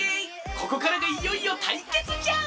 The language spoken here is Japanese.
ここからがいよいよたいけつじゃ！